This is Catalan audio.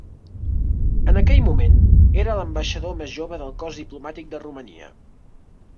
En aquell moment, era l'ambaixador més jove del cos diplomàtic de Romania.